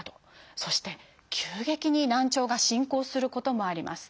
そして急激に難聴が進行することもあります。